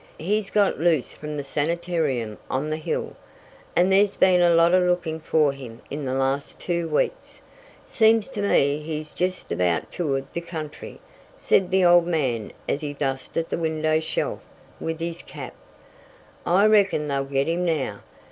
He's got loose from the sanitarium on the hill, and there's been a lot of looking for him in the last two weeks. Seems to me he's jest about toured the country," said the old man as he dusted the window shelf with his cap. "I reckon they'll git him now.